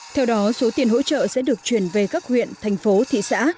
theo đó số tiền hỗ trợ sẽ được chuyển về các huyện thành phố thị xã